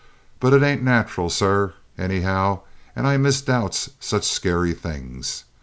"But it ain't nat'rel, sir, anyhow; an' I misdoubts sich skeary things.